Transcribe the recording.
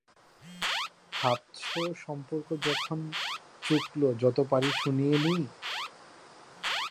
ভাবছ, সম্পর্ক যখন চুকল যত পারি শুনিয়ে নিই?